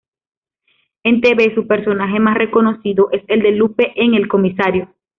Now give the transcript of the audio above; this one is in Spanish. En tv su personaje más reconocido es el de "Lupe" en "El comisario".